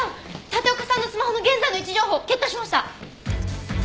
立岡さんのスマホの現在の位置情報ゲットしました。